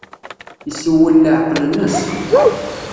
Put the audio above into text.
Isewwel leɛqel-nnes.